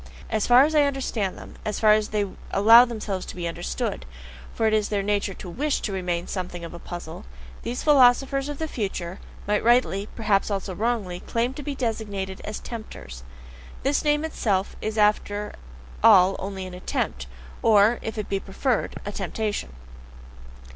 As far as I understand them, as far as they allow themselves to be understood for it is their nature to WISH to remain something of a puzzle these philosophers of the future might rightly, perhaps also wrongly, claim to be designated as "tempters." This name itself is after all only an attempt, or, if it be preferred, a temptation.